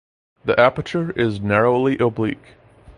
The aperture is narrowly oblique.